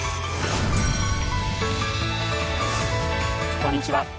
こんにちは。